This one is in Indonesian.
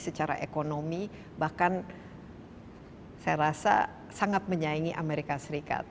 secara ekonomi bahkan saya rasa sangat menyaingi amerika serikat